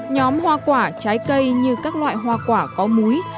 nhóm hoa quả trái cây như các loại hoa quả có múi